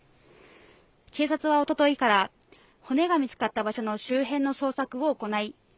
警察はおとといから骨が見つかった場所の周辺の捜索を行い